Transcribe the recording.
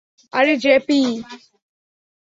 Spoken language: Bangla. আরে, জেপি!